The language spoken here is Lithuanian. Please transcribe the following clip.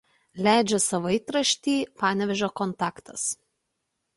Leidžia savaitraštį „Panevėžio kontaktas“.